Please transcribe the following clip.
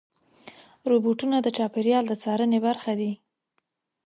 روبوټونه د چاپېریال د څارنې برخه دي.